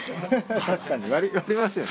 確かに割りますよね。